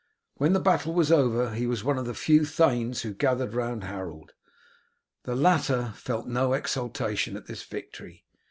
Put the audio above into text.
When the battle was over he was one of the few thanes who gathered round Harold. The latter felt no exultation at this victory.